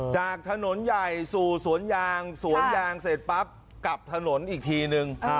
จากถนนใหญ่สู่สวนยางสวนยางเสร็จปั๊บกลับถนนอีกทีนึง